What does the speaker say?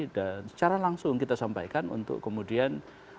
dan secara langsung kita sampaikan untuk kemudian